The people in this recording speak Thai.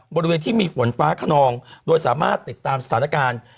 บริเวณที่มีฝนฟ้าขนองโดยสามารถติดตามสถานการณ์